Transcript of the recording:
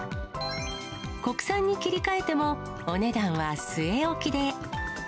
国産に切り替えてもお値段は据え置きで。